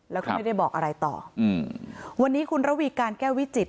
แล้วก็ไม่ได้บอกอะไรต่ออืมวันนี้คุณระวีการแก้ววิจิต